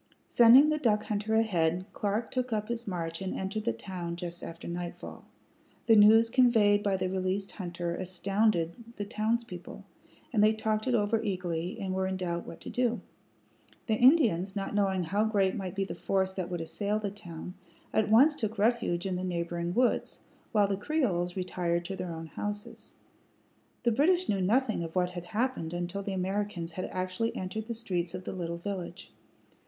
Sending the duck hunter ahead, Clark took up his march and entered the town just after nightfall. The news conveyed by the released hunter astounded the townspeople, and they talked it over eagerly, and were in doubt what to do. The Indians, not knowing how great might be the force that would assail the town, at once took refuge in the neighboring woods, while the Creoles retired to their own houses. The British knew nothing of what had happened until the Americans had actually entered the streets of the little village.